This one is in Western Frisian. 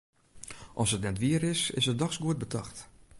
As it net wier is, is it dochs goed betocht.